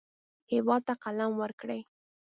هېواد ته قلم ورکړئ